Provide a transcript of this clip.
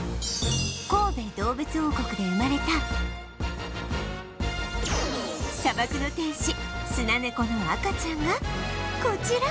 神戸どうぶつ王国で生まれた砂漠の天使スナネコの赤ちゃんがこちら！